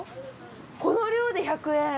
この量で１００円。